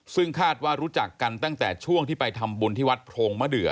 ซึ่งคาดว่ารู้จักกันตั้งแต่ช่วงที่ไปทำบุญที่วัดโพรงมะเดือ